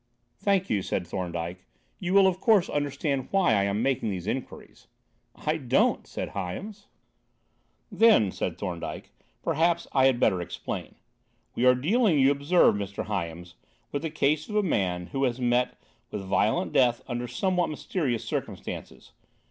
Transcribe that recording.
"Thank you," said Thorndyke. "You will, of course, understand why I am making these inquiries." "I don't," said Hyams. "Then," said Thorndyke, "perhaps I had better explain. We are dealing, you observe, Mr. Hyams, with the case of a man who has met with a violent death under somewhat mysterious circumstances.